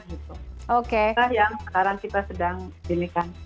itu yang sekarang kita sedang pilihkan